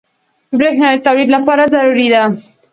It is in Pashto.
بریښنا د تولید لپاره ضروري ده.